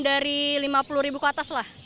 dari lima puluh ribu ke atas lah